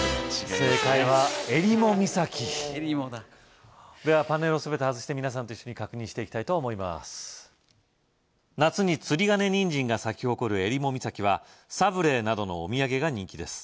正解は襟裳岬襟裳だではパネルをすべて外して皆さんと一緒に確認していきたいと思います夏にツリガネニンジンが咲き誇る襟裳岬は「サブレー」などのお土産が人気です